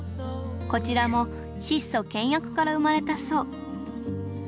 こちらも質素倹約から生まれたそう。